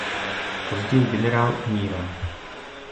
Později generál umírá.